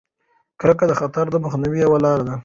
کرکه د خطر د مخنیوي یوه لاره ده.